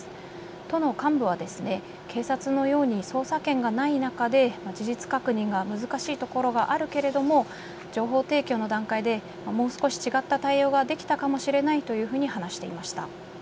都の幹部は警察のように捜査権がない中で事実確認が難しいところがあるけれども情報提供の段階でもう少し違った対応ができたかもしれないというふうに話していました。